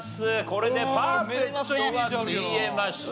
これでパーフェクトがついえました。